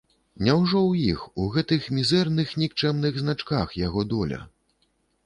Няўжо ў іх, у гэтых мізэрных, нікчэмных значках, яго доля?